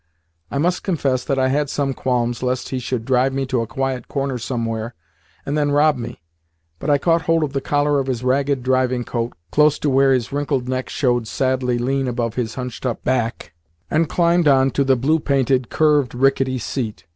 I must confess that I had some qualms lest he should drive me to a quiet corner somewhere, and then rob me, but I caught hold of the collar of his ragged driving coat, close to where his wrinkled neck showed sadly lean above his hunched up back, and climbed on to the blue painted, curved, rickety scat.